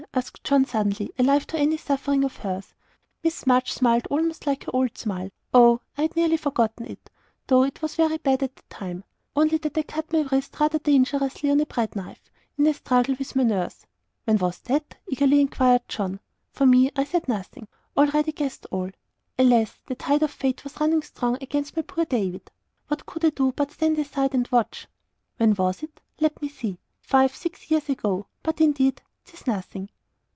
asked John, suddenly, alive to any suffering of hers. Miss March smiled almost like her old smile. "Oh! I had nearly forgotten it, though it was very bad at the time; only that I cut my wrist rather dangerously with a bread knife, in a struggle with my nurse." "When was that?" eagerly inquired John. For me, I said nothing. Already I guessed all. Alas! the tide of fate was running strong against my poor David. What could I do but stand aside and watch? "When was it? Let me see five, six years ago. But, indeed, 'tis nothing."